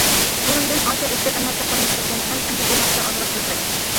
بۇرۇندىن« ئانچە ئۆتكۈر ئەمەس» دەپ قارىلىپ كەلگەن مەن ئەمدى بۇ ھەقتە ئازراق سۆزلەي.